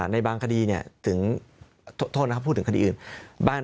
ในบางคดีถึงโทษนะครับพูดถึงคดีอื่น